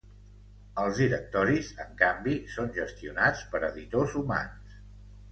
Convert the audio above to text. Els directoris, en canvi, són gestionats per editors humans.